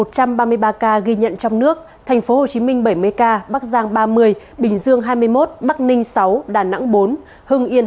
trong một trăm ba mươi ba ca ghi nhận trong nước tp hcm bảy mươi ca bắc giang ba mươi bình dương hai mươi một bắc ninh sáu đà nẵng bốn hưng yên